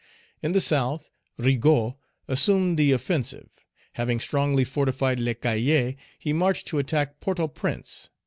In the South, Rigaud assumed the offensive. Having strongly fortified Les Cayes, he marched to attack Port au Prince.